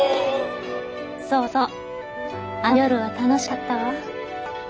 そうそうあの夜は楽しかったわ。